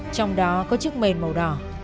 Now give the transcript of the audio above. trong đó có chiếc mền màu đỏ